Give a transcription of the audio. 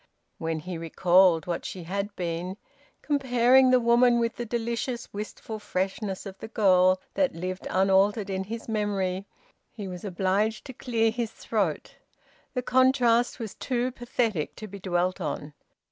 When he recalled what she had been, comparing the woman with the delicious wistful freshness of the girl that lived unaltered in his memory, he was obliged to clear his throat. The contrast was too pathetic to be dwelt on.